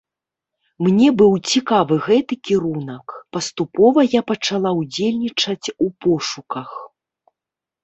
Мне быў цікавы гэты кірунак, паступова я пачала ўдзельнічаць у пошуках.